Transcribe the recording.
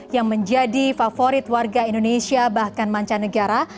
yang menjadi favorit warga indonesia bahkan mancanegara